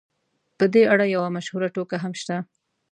په دې اړه یوه مشهوره ټوکه هم شته.